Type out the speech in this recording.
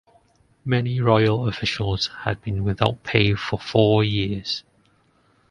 Many royal officials had been without pay for four years.